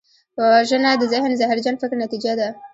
وژنه د ذهن زهرجن فکر نتیجه ده